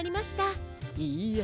いいえ。